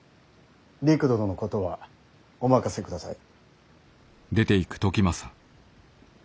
りく殿のことはお任せください。